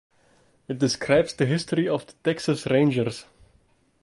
It describes the history of the Texas Rangers.